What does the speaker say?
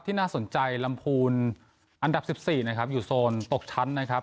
น่าสนใจลำพูนอันดับ๑๔นะครับอยู่โซนตกชั้นนะครับ